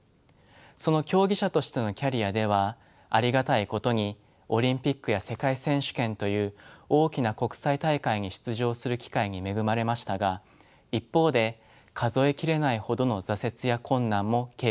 その競技者としてのキャリアではありがたいことにオリンピックや世界選手権という大きな国際大会に出場する機会に恵まれましたが一方で数え切れないほどの挫折や困難も経験しました。